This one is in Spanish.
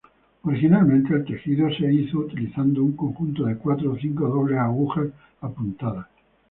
Originalmente, circular tejiendo estuvo hecho utilizando un conjunto de cuatro o cinco doble-agujas apuntadas.